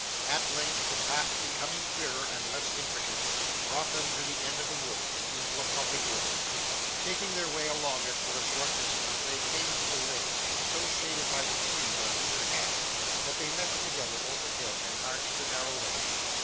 At length the path becoming clearer and less intricate, brought them to the end of the wood, and into a public road. Taking their way along it for a short distance, they came to a lane, so shaded by the trees on either hand that they met together over head, and arched the narrow way.